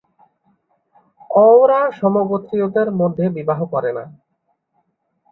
অওরা সমগোত্রীয়দের মধ্যে বিবাহ করে না।